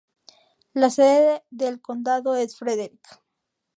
La sede del condado es Frederick.